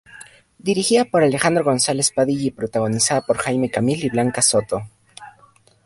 Dirigida por Alejandro González Padilla y protagonizada por Jaime Camil y Blanca Soto.